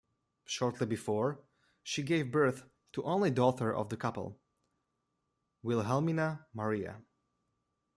Shortly before, she gave birth the only daughter of the couple, Wilhelmina Maria.